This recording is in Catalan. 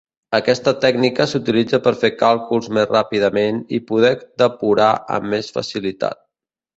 Aquesta tècnica s"utilitza per fer càlculs més ràpidament i poder depurar amb més facilitat.